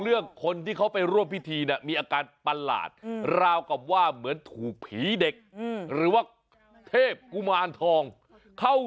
คนที่เขาไปร่วมพิธีเนี่ยมีอาการประหลาดราวกับว่าเหมือนถูกผีเด็กหรือว่าเทพกุมารทองเข้า